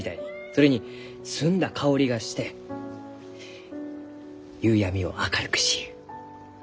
それに澄んだ香りがして夕闇を明るくしゆう。